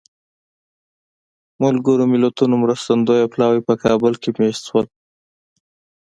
ملګرو ملتونو مرستندویه پلاوی په کابل کې مېشت شول.